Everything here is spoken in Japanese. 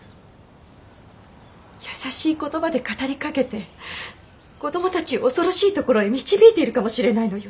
優しい言葉で語りかけて子どもたちを恐ろしいところへ導いているかもしれないのよ。